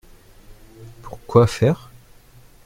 Pour quoi faire ?